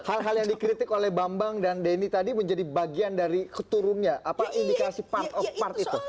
hal hal yang dikritik oleh bambang dan denny tadi menjadi bagian dari keturunnya apa indikasi part of part itu